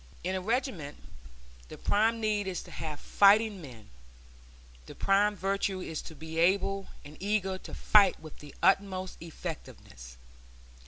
In a regiment the prime need is to have fighting men; the prime virtue is to be able and eager to fight with the utmost effectiveness.